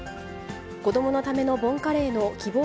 こどものためのボンカレーの希望